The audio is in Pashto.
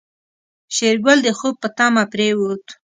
شېرګل د خوب په تمه پرېوت.